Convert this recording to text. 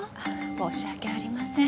申し訳ありません